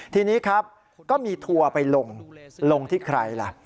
ทีนี้ครับก็มีทัวร์ไปลงลงที่ใครล่ะ